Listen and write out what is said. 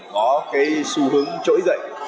có cái xu hướng trỗi dậy